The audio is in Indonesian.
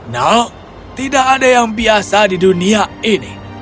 nak tidak ada yang biasa di dunia ini